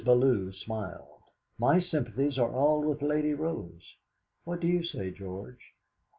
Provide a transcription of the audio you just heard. Bellew smiled. "My sympathies are all with Lady Rose. What do you say, George?"